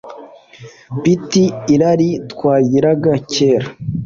pt irari mwagiraga kera